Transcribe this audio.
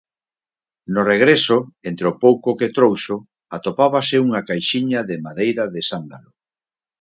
No regreso, entre o pouco que trouxo, atopábase unha caixiña de madeira de sándalo.